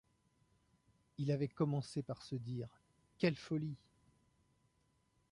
Il avait commencé par se dire: « Quelle folie!